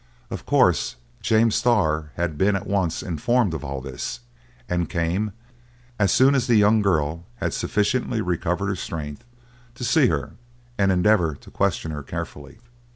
Of course James Starr had been at once informed of all this, and came, as soon as the young girl had sufficiently recovered her strength, to see her, and endeavor to question her carefully.